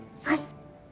はい。